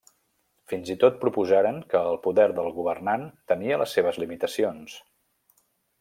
Fins i tot proposaren que el poder del governant tenia les seves limitacions.